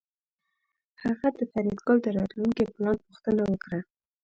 هغه د فریدګل د راتلونکي پلان پوښتنه وکړه